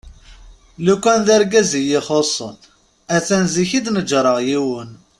Lukan d argaz iyi-ixusen a-t-an seg zik i d-neǧǧreɣ yiwen.